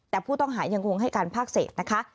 แต่ผู้ต้องหายังคงให้การภาคเศษนะคะ